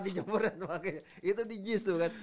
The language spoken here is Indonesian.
dijemuran itu di gis tuh kan